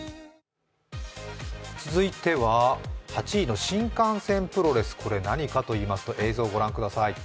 続いては８位の新幹線プロレス、これ何かといいますと映像ご覧ください。